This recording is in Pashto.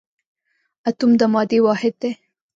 اتوم د مادې واحد دی